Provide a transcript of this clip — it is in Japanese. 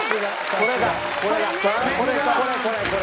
これこれこれこれ。